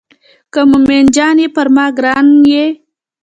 که مومن جان یې پر ما ګران یې.